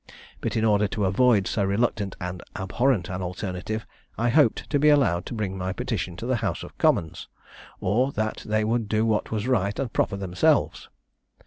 But in order to avoid so reluctant and abhorrent an alternative, I hoped to be allowed to bring my petition to the house of commons or that they would do what was right and proper themselves.